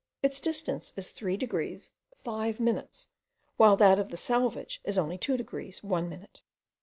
Its distance is 3 degrees 5 minutes, while that of the Salvage is only 2 degrees 1 minute.